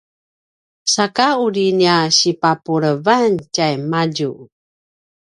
saka uri nia sipapulevan tjaimadju